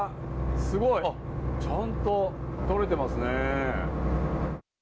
すごい！ちゃんと撮れてますね。